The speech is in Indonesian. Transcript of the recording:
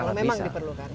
kalau memang diperlukan